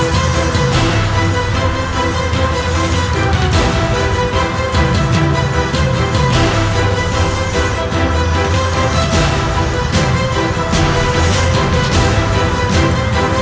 raihkan tempat yang aman